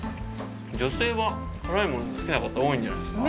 女性は辛いもの好きな方多いんじゃないですか？